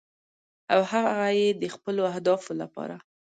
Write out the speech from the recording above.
او هغه یې د خپلو اهدافو لپاره